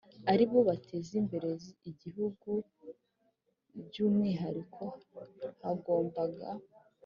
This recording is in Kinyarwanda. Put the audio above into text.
Ari bo bateza imbere igihugu by umwihariko hagombaga